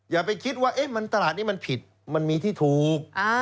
อย่าไปคิดว่ามันตลาดนี้มันผิดมันมีที่ถูก